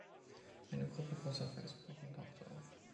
Eine Gruppe großer Felsbrocken tauchte auf.